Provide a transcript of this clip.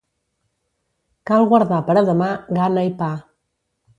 Cal guardar per a demà, gana i pa.